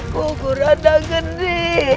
kukuran dan gede